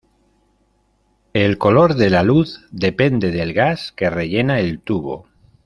El color de la luz depende del gas que rellena el tubo.